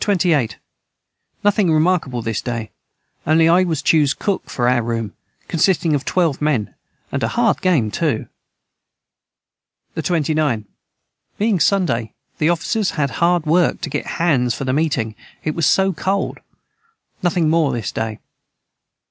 Nothing remarkable this day onely I was chose cook for our room consisting of 12 men and a hard game too. the 29. Being Sunday the officers had hard work to get hands for meting it was so cold nothing more this day.